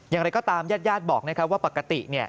อย่างไรก็ตามยาดบอกนะครับว่าปกติ